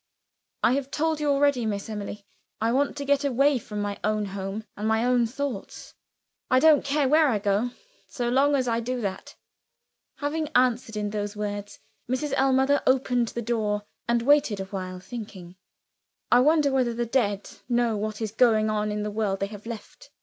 "I have told you already, Miss Emily, I want to get away from my own home and my own thoughts; I don't care where I go, so long as I do that." Having answered in those words, Mrs. Ellmother opened the door, and waited a while, thinking. "I wonder whether the dead know what is going on in the world they have left?"